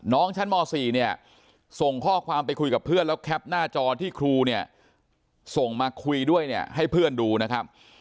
น้องชั้นม๔เนี่ยส่งข้อความไปคุยกับเพื่อนแล้วแคปหน้าจอที่ครูเนี่ยส่งมาคุยด้วยเนี่ยให้เพื่อนดูนะครับ